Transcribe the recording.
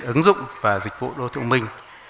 ứng dụng và dịch vụ đô thị thông minh